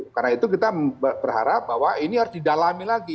karena itu kita berharap bahwa ini harus didalami lagi